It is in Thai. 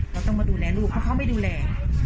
เราต้องมาดูแลลูกเพราะเขาไม่ดูแล